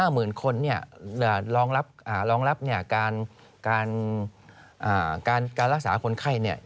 ๕หมื่นคนเนี่ยรองรับการรักษาคนไข้เนี่ย